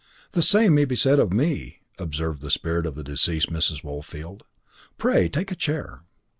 "The same may be said of me," observed the spirit of the deceased Mrs. Woolfield. "Pray take a chair."